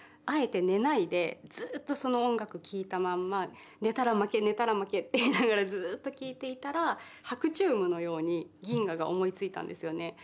あえて寝ないでずっとその音楽聴いたまんま寝たら負け寝たら負けって言いながらずっと聴いていたら白昼夢のように銀河が思いついたんですよね。